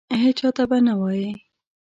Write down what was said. هیچا ته به نه وایې !